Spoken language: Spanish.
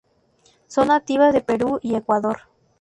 Son nativas de Perú y Ecuador.